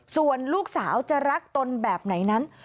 ส่วนลูกสาวจะรักตนแบบไหนนั้น